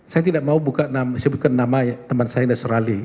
saya tidak mau buka sebutkan nama teman saya yang sudah serali